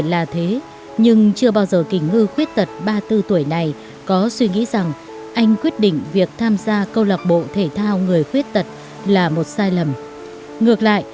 chính nhờ thể thao mà trần đình sơn đã đến với câu lạc bộ thể thao người khuyết tật hà nội